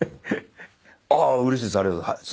あうれしいです。